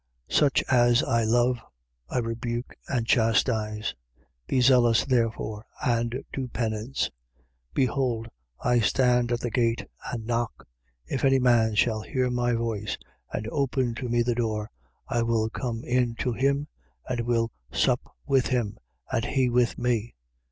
3:19. Such as I love, I rebuke and chastise. Be zealous therefore and do penance. 3:20. Behold, I stand at the gate and knock. If any man shall hear my voice and open to me the door, I will come in to him and will sup with him: and he with me.